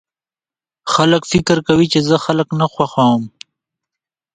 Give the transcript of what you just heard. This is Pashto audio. خلک فکر کوي چې زه خلک نه خوښوم